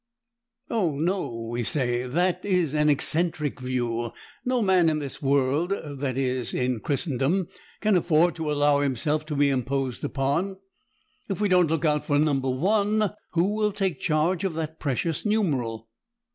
Oh no, we say; that is an eccentric view. No man in this world that is, in Christendom can afford to allow himself to be imposed upon. If we don't look out for number one, who will take charge of that precious numeral?